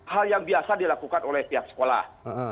hal yang biasa dilakukan oleh pihak sekolah